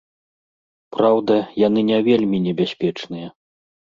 Праўда, яны не вельмі небяспечныя.